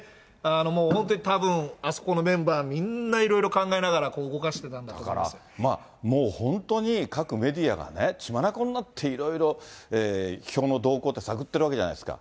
もう本当にたぶん、あそこのメンバーみんないろいろ考えながら動かしてたんだと思いだからもう、本当に、各メディアがね、血まなこになっていろいろ票の動向って探ってるわけじゃないですか。